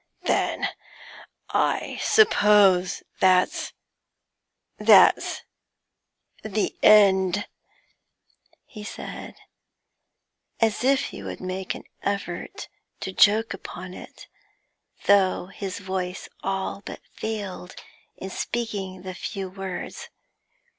'Then I suppose that's that's the end,' he said, as if he would make an effort to joke upon it, though his voice all but failed in speaking the few words.